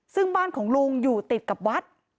ซึ่งบ้านของลุงอยู่ติดกับวัด